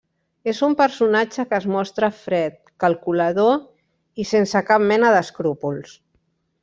És un personatge que es mostra fred, calculador i sense cap mena d'escrúpols.